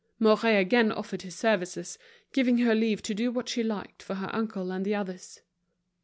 Mouret again offered his services, giving her leave to do what she liked for her uncle and the others.